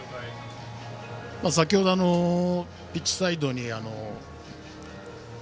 先程、ピッチサイドに。